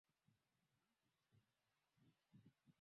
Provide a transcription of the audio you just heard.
Akalichukua lile daftari kisha akaliweka mfukoni na kuondoka